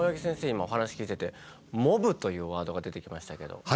今お話聞いてて「モブ」というワードが出てきましたけど。